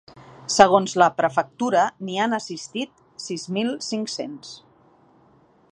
Segons la prefectura n’hi han assistit sis mil cinc-cents.